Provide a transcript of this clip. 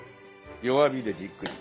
弱火でじっくり。